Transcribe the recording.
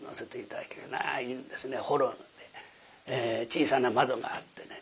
小さな窓があってね